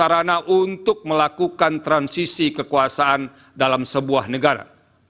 bahwa pemilu merupakan sarana untuk melakukan transisi kekuasaan dalam sebuah negara